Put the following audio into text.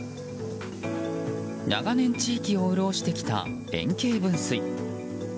長年、地域を潤してきた円形分水。